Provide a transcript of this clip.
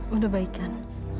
udah baik kan